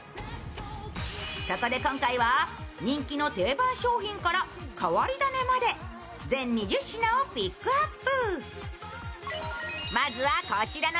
そこで今回は、人気の定番商品から変わり種まで全２０品をピックアップ。